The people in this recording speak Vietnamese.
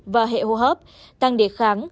và hệ hô hấp tăng địa kháng